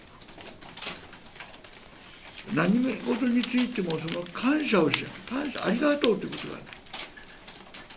何事についても、感謝をしない、ありがとうということがない。